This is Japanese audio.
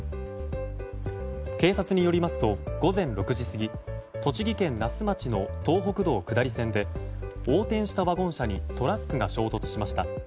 警察によりますと午前６時過ぎ、栃木県那須町の東北道下り線で横転したワゴン車にトラックが衝突しました。